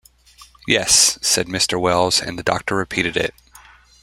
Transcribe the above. "Yes," said Mr. Wells, and the doctor repeated it.